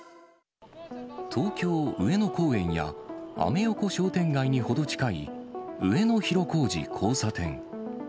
東京・上野公園や、アメ横商店街に程近い上野広小路交差点。